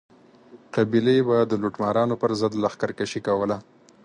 قبیلې به د لوټمارانو پر ضد لښکر کشي کوله.